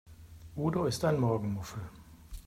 Udo ist ein Morgenmuffel.